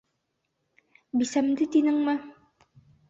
Бисәмде, тинеңме?